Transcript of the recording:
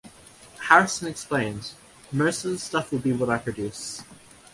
Harrison explained: "Most of the stuff will be what I produce".